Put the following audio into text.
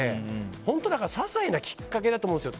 本当にささいなきっかけだと思うんですよ